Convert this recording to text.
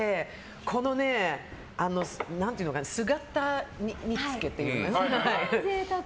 この姿煮つけっていうか。